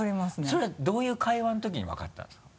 それはどういう会話の時に分かったんですか？